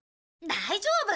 大丈夫！